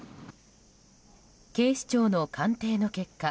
警視庁の鑑定の結果